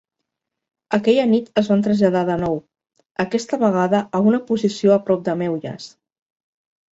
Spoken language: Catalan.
Aquella nit es van traslladar de nou, aquesta vegada a una posició a prop de Meulles.